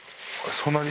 そんなに？